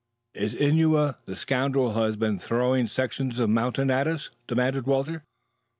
"Is Innua the scoundrel who has been throwing sections of mountains at us?" demanded Walter.